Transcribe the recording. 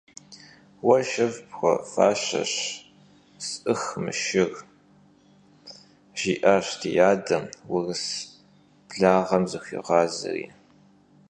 «Vue şşıf' pxuefaşeş, s'ıx mı şşır», - jji'aş di adem, vurıs blağem zıxuiğazeure.